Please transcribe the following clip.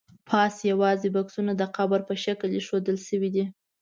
پاس یوازې بکسونه د قبر په شکل ایښودل شوي دي.